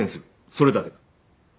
それだけだ。